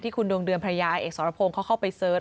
คุณดวงเดือนพระยาเอกสรพงศ์เขาเข้าไปเสิร์ช